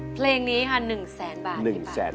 เพลงนี้ค่ะ๑๐๐๐๐๐บาท